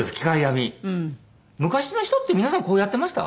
昔の人って皆さんこうやってました？